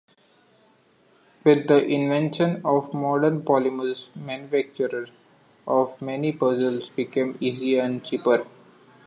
With the invention of modern polymers manufacture of many puzzles became easier and cheaper.